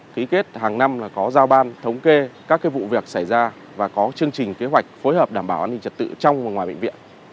ký kết hàng năm là có giao ban thống kê các vụ việc xảy ra và có chương trình kế hoạch phối hợp đảm bảo an ninh trật tự trong và ngoài bệnh viện